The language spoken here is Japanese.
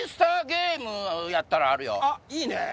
ゲームやったらあるよ。いいね！